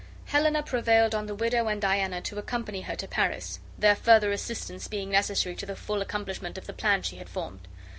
Helena prevailed on the widow and Diana to accompany her to Paris, their further assistance being necessary to the full accomplishment of the plan she had formed.